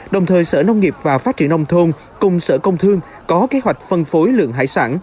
đồng thời sở nông nghiệp và phát triển nông thôn cùng sở công thương có kế hoạch phân phối lượng hải sản